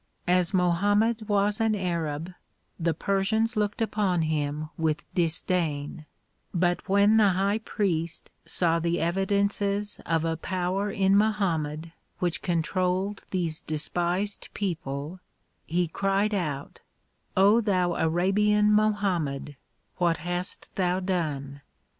As Mohammed was an Arab the Persians looked upon him with disdain; but when the high priest saw the evidences of a power in INIohammed which con trolled these despised people, he cried out "0 thou Arabian Mo hammed, what hast thou done?